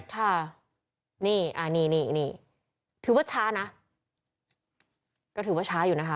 ค่ะนี่นี่ถือว่าช้านะก็ถือว่าช้าอยู่นะคะ